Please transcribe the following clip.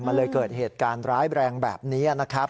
มันเลยเกิดเหตุการณ์ร้ายแรงแบบนี้นะครับ